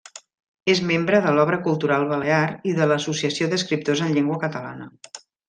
És membre de l'Obra Cultural Balear i de l'Associació d'Escriptors en Llengua Catalana.